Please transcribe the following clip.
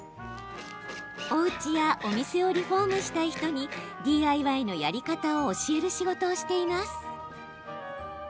おうちやお店をリフォームしたい人に、ＤＩＹのやり方を教える仕事をしています。